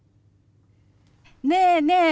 ねえね